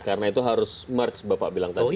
karena itu harus march bapak bilang tadi